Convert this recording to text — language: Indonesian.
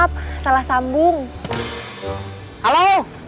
tete aku mau